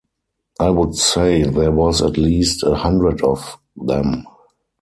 I would say there was at least a hundred of them.